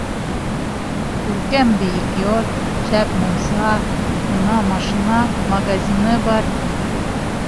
Күркәм бейек йорт, шәп мунса, ана, машина, магазины бар...